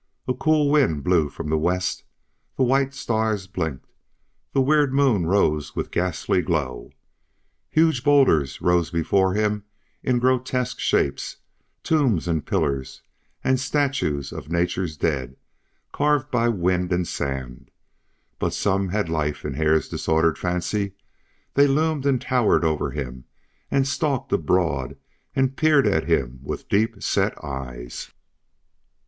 A cool wind blew from the west, the white stars blinked, the weird moon rose with its ghastly glow. Huge bowlders rose before him in grotesque shapes, tombs and pillars and statues of Nature's dead, carved by wind and sand. But some had life in Hare's disordered fancy. They loomed and towered over him, and stalked abroad and peered at him with deep set eyes.